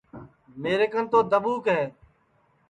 میرے کن تو دھٻوک ہے